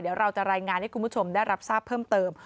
เดี๋ยวเราจะรายงานให้คุณผู้ชมได้รับทราบเพิ่มเติม